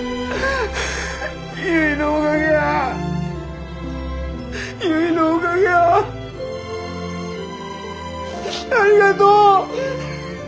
ありがとう！